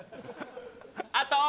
あと